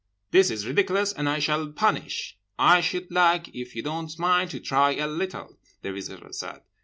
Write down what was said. This is ridiculous and I shall punish—'—'I should like, if you don't mind, to try a little,' the Visitor said.